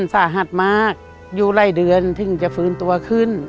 สาหัสมากอยู่หลายเดือนถึงจะฟื้นตัวขึ้น